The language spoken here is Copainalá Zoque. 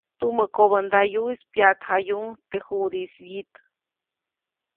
Tumä kobändayuʼis pyaʼtjayuʼuŋ teʼ juʼdiʼis wyit.